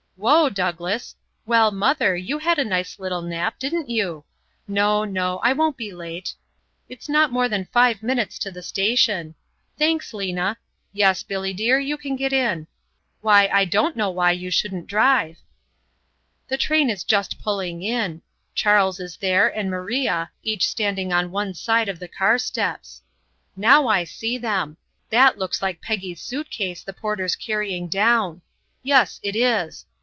("Whoa, Douglas. Well mother, you had a nice little nap, didn't you. No, no; I won't be late. It's not more than five minutes to the station. Thanks, Lena. Yes, Billy dear, you can get in. Why, I don't know why you shouldn't drive.") The train is just pulling in. Charles is there and Maria, each standing on one side of the car steps. Now I see them. That looks like Peggy's suit case the porter's carrying down. Yes, it is.